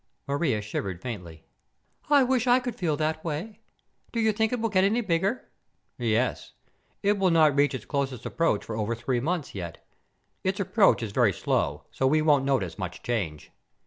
Maria shivered faintly. "I wish I could feel that way. Do you think it will get any bigger?" "Yes. It will not reach its closest approach for over three months, yet. Its approach is very slow so we won't notice much change."